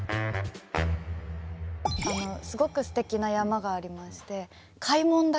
すごくすてきな山がありまして開聞岳。